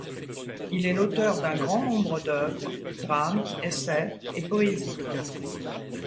Il est l'auteur d'un grand nombre d'œuvres, drames, essais et poésies.